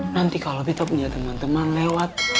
nanti kalau kita punya teman teman lewat